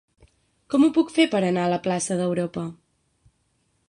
Com ho puc fer per anar a la plaça d'Europa?